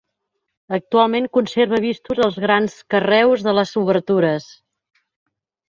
Actualment conserva vistos els grans carreus de les obertures.